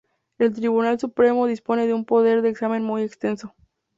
El Tribunal Supremo dispone de un poder de examen muy extenso.